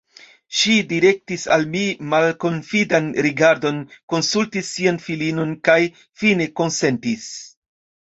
Ŝi direktis al mi malkonfidan rigardon, konsultis sian filinon, kaj fine konsentis.